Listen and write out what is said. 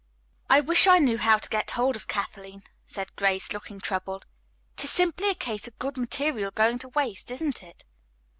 "I wish I knew how to get hold of Kathleen," said Grace, looking troubled. "It is simply a case of good material going to waste, isn't it?"